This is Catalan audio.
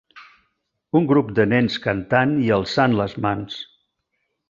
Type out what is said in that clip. Un grup de nens cantant i alçant les mans